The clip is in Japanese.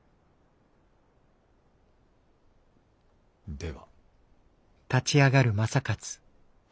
では。